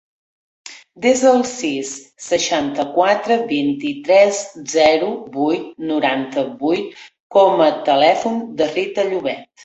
Desa el sis, seixanta-quatre, vint-i-tres, zero, vuit, noranta-vuit com a telèfon de la Ritaj Llobet.